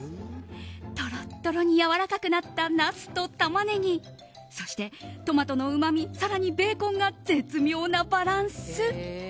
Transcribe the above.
トロトロにやわらかくなったナスとタマネギそしてトマトのうまみ更にベーコンが絶妙なバランス。